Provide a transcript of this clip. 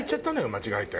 間違えて。